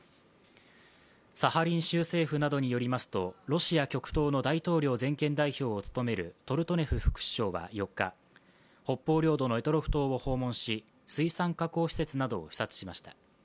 サハリン州政府などによりますとロシア極東の大統領全権代表を務めるトルトネフ副首相は４日北方領土の択捉島を訪問し、水産加工施設などを視察しました。